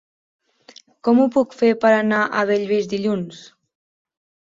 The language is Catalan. Com ho puc fer per anar a Bellvís dilluns?